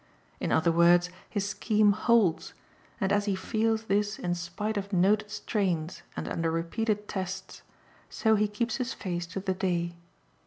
In other words his scheme HOLDS, and as he feels this in spite of noted strains and under repeated tests, so he keeps his face to the day.